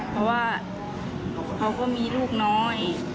เพราะว่าเขาก็มีลูกน้อย